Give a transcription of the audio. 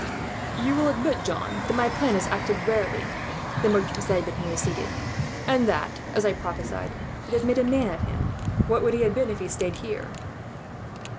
"You will admit, John, that my plan has acted rarely," the merchant said, when he was seated; "and that, as I prophesied, it has made a man of him. What would he have been, if he had stayed here?"